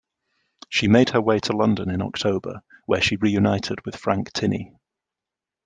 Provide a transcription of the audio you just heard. She made her way to London in October, where she reunited with Frank Tinney.